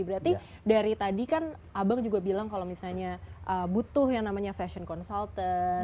berarti dari tadi kan abang juga bilang kalau misalnya butuh yang namanya fashion consultant